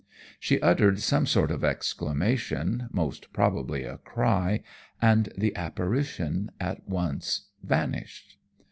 She uttered some sort of exclamation, most probably a cry, and the apparition at once vanished.